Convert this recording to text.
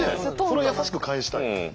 それを優しく返したい。